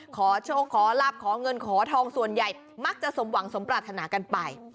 ขอโชคขอลาบขอเงินขอทองส่วนใหญ่มักจะสมหวังสมปรารถนากันไป